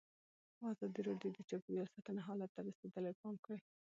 ازادي راډیو د چاپیریال ساتنه حالت ته رسېدلي پام کړی.